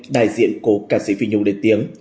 đại diện cổ ca sĩ phi nhung đề tiếng